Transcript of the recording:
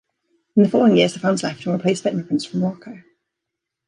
In the following years the founders left and were replaced by immigrants from Morocco.